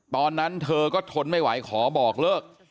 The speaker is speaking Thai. ตอนนั้นเธอก็ทนไม่ไหวขอบอกเลิก